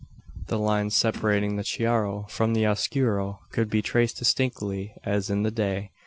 The line separating the chiaro from the oscuro could be traced distinctly as in the day.